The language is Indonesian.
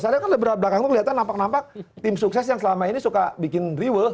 soalnya kan di belakang aku kelihatan nampak nampak tim sukses yang selama ini suka bikin rewell